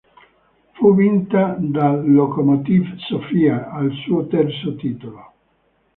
Fu vinta dal Lokomotiv Sofia, al suo terzo titolo.